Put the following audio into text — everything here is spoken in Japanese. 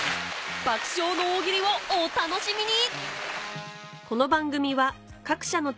爆笑の大喜利をお楽しみに！